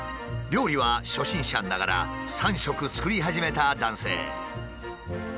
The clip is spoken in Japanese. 料理は初心者ながら３食作り始めた男性。